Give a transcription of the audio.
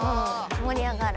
盛り上がる。